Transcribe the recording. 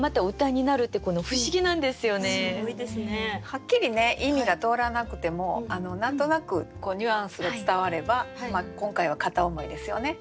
はっきりね意味が通らなくても何となくこうニュアンスが伝われば今回は「片思い」ですよね。